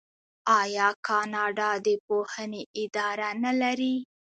آیا کاناډا د پوهنې اداره نلري؟